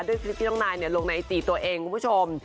ด้วยคลิปที่น้องนายลงในไอจีตัวเองคุณผู้ชม